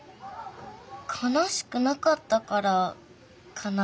かなしくなかったからかな。